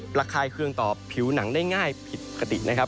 ระคายเครื่องต่อผิวหนังได้ง่ายผิดปกตินะครับ